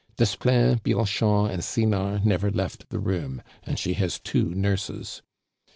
Desplein, Bianchon, and Sinard never left the room, and she has two nurses.